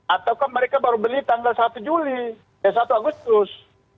ataukah mereka baru beli tanggal satu juli ya satu agustus